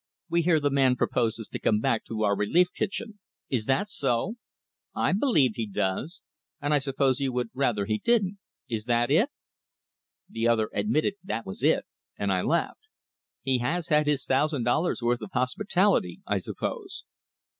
"We hear the man proposes to come back to our relief kitchen. Is that so?" "I believe he does; and I suppose you would rather he didn't. Is that it?" The other admitted that was it, and I laughed. "He has had his thousand dollars worth of hospitality, I suppose."